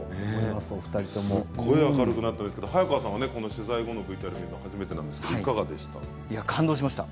すごい明るくなったんですけれども早川さんは取材後のＶＴＲ見るの初めてなんですけれどもいかがでしたか？